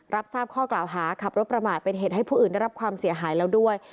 รับทราบข้อกล่าวหาขับรถประมาทเป็นเหตุให้ผู้อื่นได้รับความเสียหายแล้วด้วย